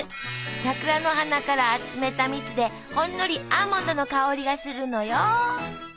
桜の花から集めたみつでほんのりアーモンドの香りがするのよ。